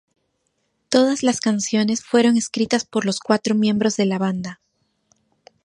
Todas las canciones fueron escritas por los cuatro miembros de la banda.